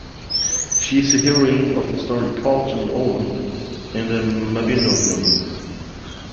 She is the heroine of the story "Culhwch and Olwen" in the Mabinogion.